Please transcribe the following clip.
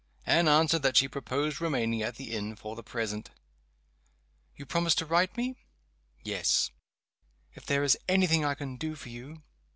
Anne answered that she proposed remaining at the inn for the present. "You promise to write to me?" "Yes." "If there is any thing I can do for you